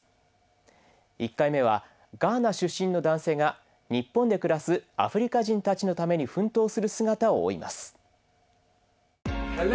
１回目はガーナ出身の男性が日本で暮らすアフリカ人たちのために奮闘する姿を追います。